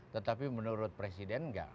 tetapi menurut presiden enggak